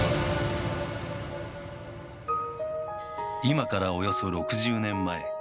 今からおよそ６０年前。